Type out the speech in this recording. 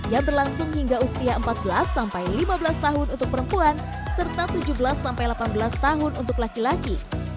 yang berlangsung hingga usia empat belas lima belas tahun untuk perempuan serta tujuh belas delapan belas tahun untuk laki laki